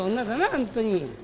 本当に。